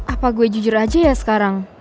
apa gue jujur aja ya sekarang